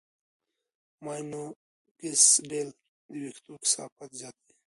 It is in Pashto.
ماینوکسیډیل د وېښتو کثافت زیاتوي.